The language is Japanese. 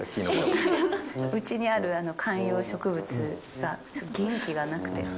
うちにある観葉植物がちょっと元気がなくて。